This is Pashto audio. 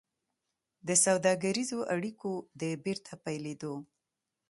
د سوداګريزو اړيکو د بېرته پيلېدو